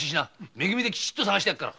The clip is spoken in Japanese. め組できちっと捜してやるから。